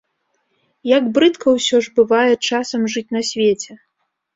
Як брыдка, усё ж, бывае часам жыць на свеце.